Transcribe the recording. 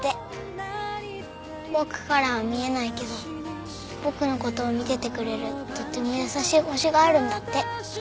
僕からは見えないけど僕の事を見ててくれるとっても優しい星があるんだって。